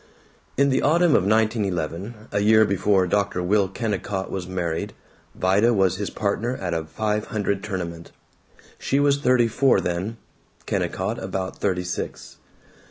In the autumn of 1911, a year before Dr. Will Kennicott was married, Vida was his partner at a five hundred tournament. She was thirty four then; Kennicott about thirty six.